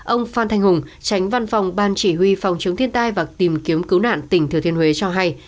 ông phan thanh hùng tránh văn phòng ban chỉ huy phòng chống thiên tai và tìm kiếm cứu nạn tỉnh thừa thiên huế cho hay